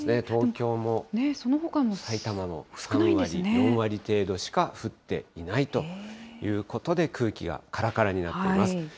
東京も、さいたまも３割、４割程度しか降っていないということで、空気がからからになっています。